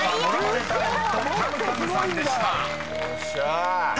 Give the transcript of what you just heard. よっしゃ。